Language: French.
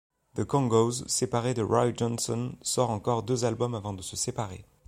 The Congos, séparé de Roy Johnson, sort encore deux albums avant de se séparer.